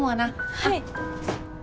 はい！